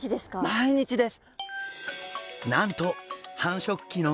毎日です。